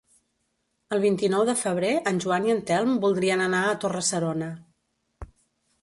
El vint-i-nou de febrer en Joan i en Telm voldrien anar a Torre-serona.